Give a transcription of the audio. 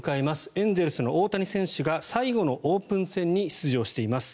エンゼルスの大谷選手が最後のオープン戦に出場しています。